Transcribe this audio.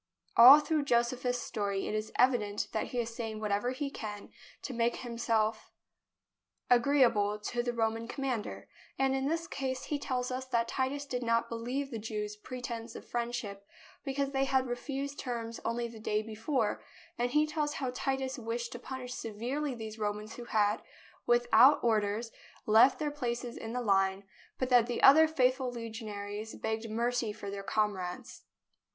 All through Josephus's story it is evident that he is saying whatever he can to make himself agree THE BOOK OF FAMOUS SIEGES able to the Roman commander, and in this case he tells us that Titus did not believe the Jews' pretence of friendship, because they had refused terms only the day before; and he tells how Titus wished to punish severely these Romans who had, without or ders, left their places in the line, but that the other faithful legionaries begged mercy for their com rades.